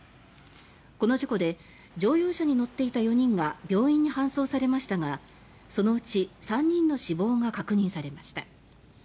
この事故で乗用車に乗っていた４人が病院に搬送されましたがそのうち３人の死亡が確認されました。